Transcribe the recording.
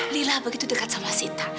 lila begitu dekat sama sita